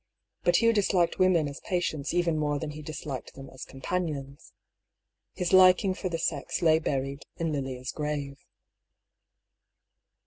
But Hugh disliked women as patients even more than he disliked them as companions. His liking for the sex lay buried in Lilia's grave.